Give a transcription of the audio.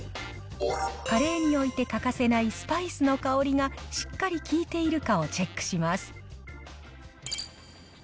カレーにおいて欠かせないスパイスの香りが、しっかり効いているかをチェックします。